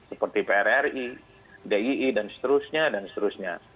seperti prri dii dan seterusnya